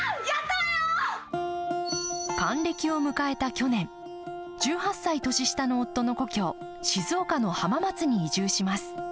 還暦を迎えた去年、１８歳年下の夫の故郷、静岡の浜松に移住します。